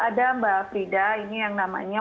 ada mbak frida ini yang namanya